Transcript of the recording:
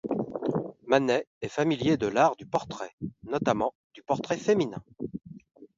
Manet est familier de l'art du portrait, notamment du portrait féminin.